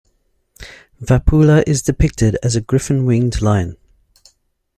Vapula is depicted as a griffin-winged lion.